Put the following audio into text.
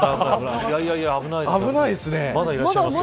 いやいや、危ないですからね。